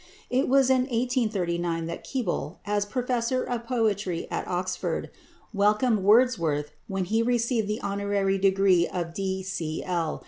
It was in 1839 that Keble, as Professor of Poetry at Oxford, welcomed Wordsworth when he received the honorary degree of D.C.L.